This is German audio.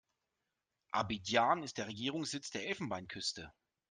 Abidjan ist der Regierungssitz der Elfenbeinküste.